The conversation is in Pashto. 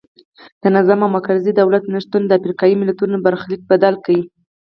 د نظم او مرکزي دولت نشتون د افریقایي ملتونو برخلیک بدل کړ.